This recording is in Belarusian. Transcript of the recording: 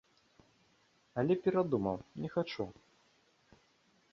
Але перадумаў, не хачу.